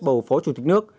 bầu phó chủ tịch nước